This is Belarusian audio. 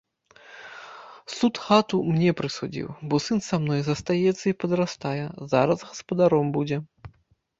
Суд хату мне прысудзіў, бо сын са мною застаецца і падрастае, зараз гаспадаром будзе.